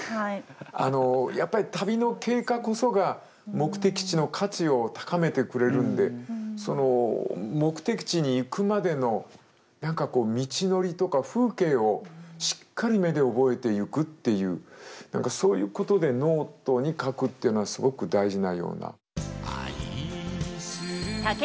あのやっぱり旅の経過こそが目的地の価値を高めてくれるんでその目的地に行くまでの道のりとか風景をしっかり目で覚えていくっていう何かそういうことでノートに書くっていうのはすごく大事なような。